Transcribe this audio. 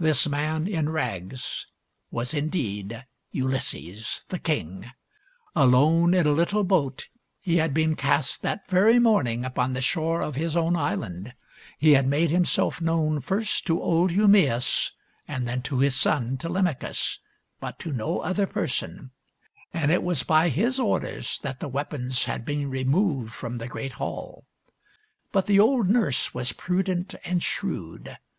This man in rags was indeed Ulysses, the king. Alone in a little boat he had been cast, that very morning, upon the shore of his own island. He had made himself known first to old Eumaeus and PENELOPE'S WEB 1 73 then to his son Telemachus, but to no other per son ; and it was by his orders that the weapons had been removed from the great hall. But the old nurse was prudent and shrewd.